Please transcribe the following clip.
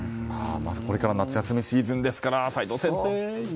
これから夏休みのシーズンですから齋藤先生。